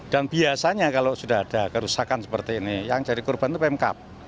dan biasanya kalau sudah ada kerusakan seperti ini yang jadi kurban itu pmk